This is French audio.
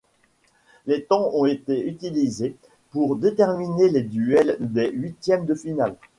Les temps ont été utilisés pour déterminer les duels des huitièmes de finale.